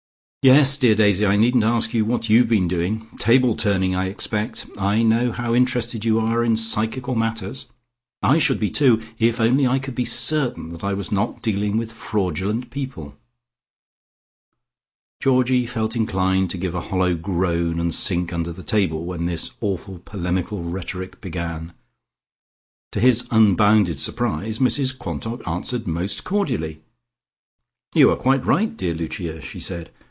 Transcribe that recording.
"Yes, dear Daisy, I needn't ask you what you've been doing. Table turning, I expect. I know how interested you are in psychical matters. I should be, too, if only I could be certain that I was not dealing with fraudulent people." Georgie felt inclined to give a hollow groan and sink under the table when this awful polemical rhetoric began. To his unbounded surprise Mrs Quantock answered most cordially. "You are quite right, dear Lucia," she said.